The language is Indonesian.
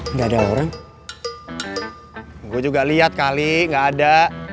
nggak ada orang gue juga lihat kali gak ada